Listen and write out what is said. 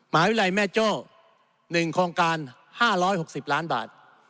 มหาวิทยาลัยแม่โจ้๑โครงการ๕๖๐ล้านบาท